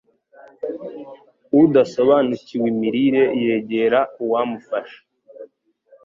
udasobanukiwe imirire yegera uwamufasha